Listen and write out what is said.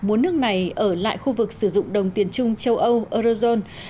muốn nước này ở lại khu vực sử dụng đồng tiền chung châu âu eurozone